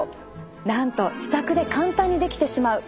なんと自宅で簡単にできてしまう。